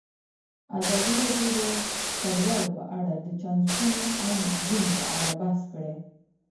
ازادي راډیو د کډوال په اړه د چانسونو او ننګونو په اړه بحث کړی.